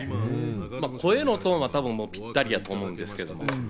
声のトーンはぴったりやと思うんですけど。